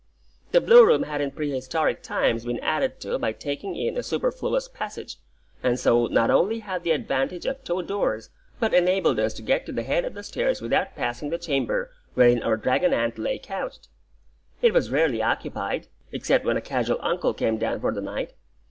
The Blue Room had in prehistoric times been added to by taking in a superfluous passage, and so not only had the advantage of two doors, but enabled us to get to the head of the stairs without passing the chamber wherein our dragon aunt lay couched. It was rarely occupied, except when a casual uncle came down for the night.